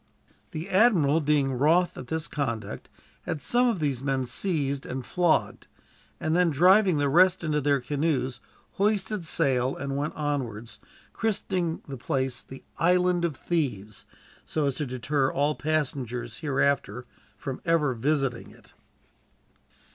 The admiral, being wroth at this conduct, had some of these men seized and flogged; and then, driving the rest into their canoes, hoisted sail and went onwards, christening the place the "Island of Thieves," so as to deter all passengers, hereafter, from ever visiting it.